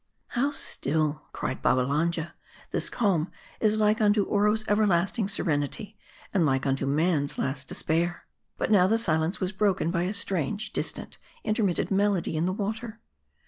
" How still !" cried Babbalanja. " This calm is like unto Oro's everlasting serenit) , and like unto man's last despair." But now the silence was broken by a strange, distant, intermitted melody in the water.